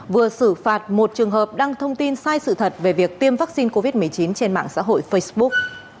vừa xử phạt một trường hợp đăng thông tin sai sự thật về việc tiêm vaccine covid một mươi chín trên mạng xã hội facebook